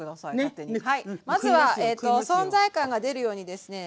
まずは存在感が出るようにですね